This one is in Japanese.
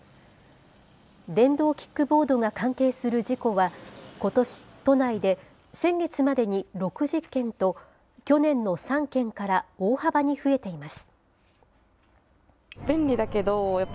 電動キックボードが関係する事故は、ことし都内で、先月までに６０件と、去年の３件から大幅に増えています。